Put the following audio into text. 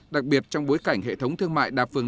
đặc biệt trong bối cảnh hệ thống thương mại đạp phương